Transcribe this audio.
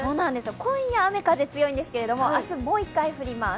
今夜雨・風が強いんですけども、明日、もう一回降ります。